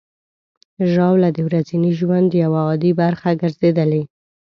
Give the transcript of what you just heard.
ژاوله د ورځني ژوند یوه عادي برخه ګرځېدلې.